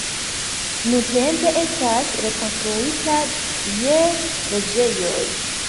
Nuntempe estas rekonstruita je loĝejoj.